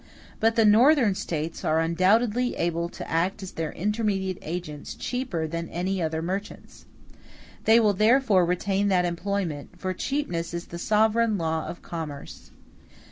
But the Northern States are undoubtedly able to act as their intermediate agents cheaper than any other merchants. They will therefore retain that employment, for cheapness is the sovereign law of commerce.